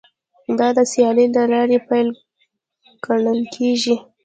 دا د سیالۍ د لارې پیل ګڼل کیږي